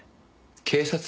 警察？